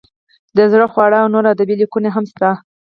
د زړه خواله او نور ادبي لیکونه یې هم شته.